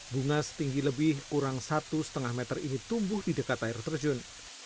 bunga setinggi lebih kurang satu lima meter ini tumbuh di dekat air terjun